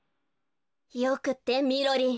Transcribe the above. よくってみろりん！